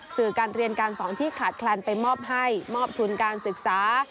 สื่อการเรียนการสอนที่ขาดแคลนไปมอบให้มอบทุนการศึกษา